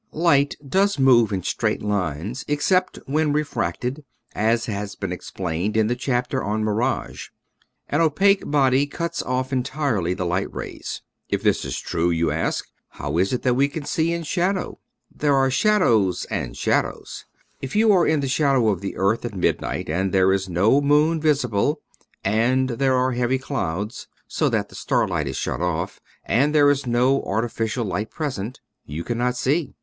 Light does move in straight lines, except when re fracted, as has been explained in the chap ter on Mirage. An opaque body cuts off en tirely the light rays. "If this is true," you ask, " how is it that we can see in shadow ?" There are shadows and shadows. If you are in the shadow of the earth at midnight and there is no moon visible and there are heavy clouds, so that the starlight is shut off, and there is no artificial light present, you cannot see.